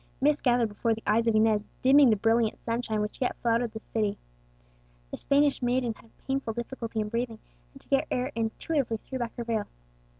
Mist gathered before the eyes of Inez, dimming the brilliant sunshine which yet flooded the city. The Spanish maiden had painful difficulty in breathing, and to get air intuitively threw back her veil.